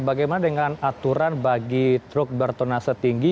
bagaimana dengan aturan bagi truk bertuna setinggi